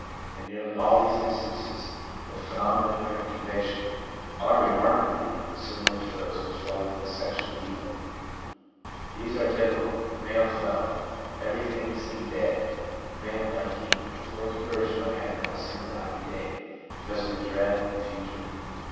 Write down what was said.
In nearly all these instances the phenomena during conviction are remarkably similar to those which follow the sexual evil. These are typical: M., 12. ' Every thing seemed dead/ M., 19. 'Before conversion I had not a single happy day, because of dread of the future.'